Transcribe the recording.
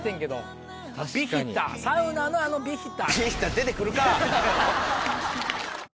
サウナのあのヴィヒタ。